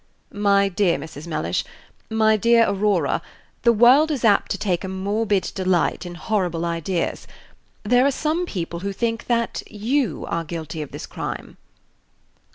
"My dear Mrs. Mellish, my dear Aurora, the world is apt to take a morbid delight in horrible ideas. There are some people who think that you are guilty of this crime!"